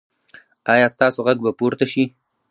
ایا ستاسو غږ به پورته شي؟